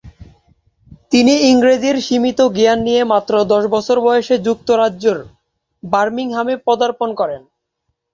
তিনি ইংরেজির সীমিত জ্ঞান নিয়ে মাত্র দশ বছর বয়সে যুক্তরাজ্যের বার্মিংহামে পদার্পণ করেন।